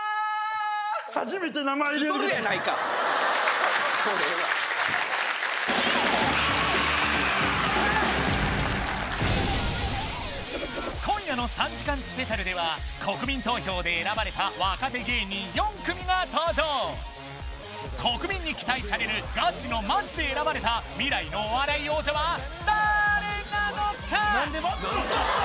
初めて名前で呼んで生きとるやないかもうええわ今夜の３時間スペシャルでは国民投票で選ばれた若手芸人４組が登場国民に期待されるガチのマジで選ばれた未来のお笑い王者は誰なのか？